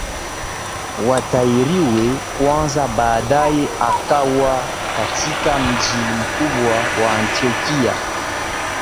watahiriwe kwanza Baadaye akawa katika mji mkubwa wa Antiokia